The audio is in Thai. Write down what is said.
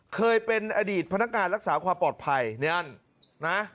เคยเป็นอดีตพนักงานรักษาความปลอดภัยนี่นั่นนะ